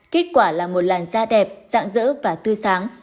kết quả là một làn da đẹp dạng dỡ và tươi sáng